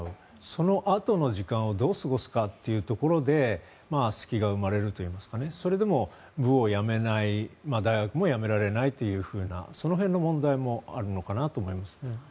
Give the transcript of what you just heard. そのあとの時間をどう過ごすかというところで隙が生まれるといいますかそれでも部を辞めない大学も辞められないというその辺の問題もあるのかなと思いますね。